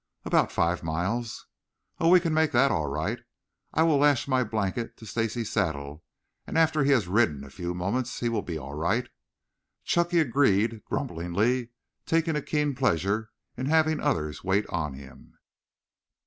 "About five miles." "Oh, we can make that all right. I will lash my blanket to Stacy's saddle, and after he has ridden a few moments he will be all right." Chunky agreed grumblingly, taking a keen pleasure in having others wait on him.